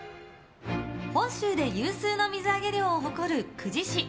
本州で有数の水揚げ量を誇る久慈市。